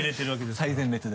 最前列で。